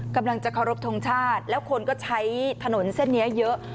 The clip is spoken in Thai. กำลังจะเคารพทงชาติแล้วคนก็ใช้ถนนเส้นนี้เยอะ